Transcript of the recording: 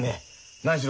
何しろ